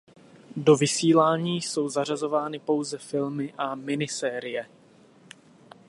Do vysílání jsou zařazovány pouze filmy a minisérie.